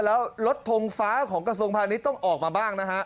แล้วรถทงฟ้าของกระทรวงพาณิชย์ต้องออกมาบ้างนะฮะ